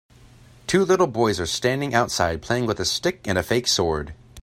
Two little boys are standing outside playing with a stick and a fake sword.